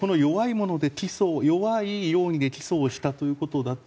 弱い容疑で起訴をしたということだと